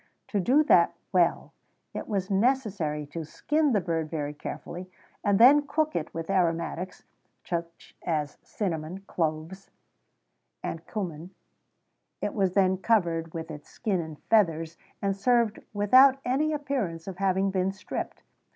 To do that well, it was necessary to skin the bird very carefully, and then cook it with aromatics, such as cinnamon, cloves, &c. It was then covered with its skin and feathers, and served without any appearance of having been stripped.